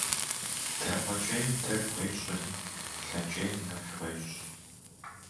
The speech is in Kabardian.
ДаӀуэкӀейм дэгу уещӀри, плъэкӀейм нэф уещӀ.